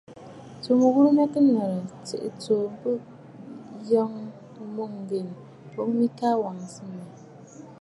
Tsuu mɨghurə mya kɨ nɔ̀rə̀, tsiʼì tsǒ bɨ yɔʼɔ mûŋgen, boŋ mɨ ka wàŋsə mmɛ̀.